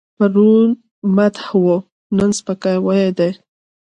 پرون مدح وه، نن سپکاوی دی.